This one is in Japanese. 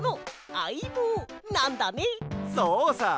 そうさ。